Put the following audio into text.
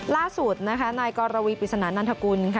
ล่าสุดนะคะนายกรวีปริศนานันทกุลค่ะ